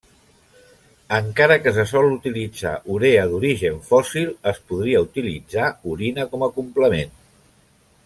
Encara que se sol utilitzar Urea d'origen fòssil, es podria utilitzar orina com a complement.